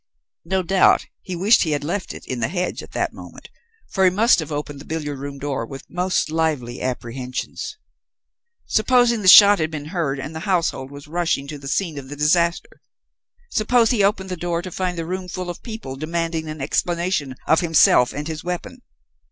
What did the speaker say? No doubt he wished he had left it in the hedge at that moment, for he must have opened the billiard room door with most lively apprehensions. Supposing the shot had been heard, and the household was rushing to the scene of the disaster? Supposing he opened the door to find the room full of people demanding an explanation of himself and his weapon?